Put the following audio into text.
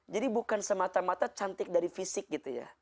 jadi bukan semata mata cantik dari fisik gitu ya